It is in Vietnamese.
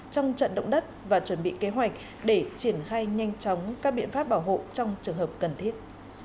trong trận động đất và chuẩn bị kế hoạch để triển khai nhanh chóng các biện pháp bảo hộ trong trường hợp cần thiết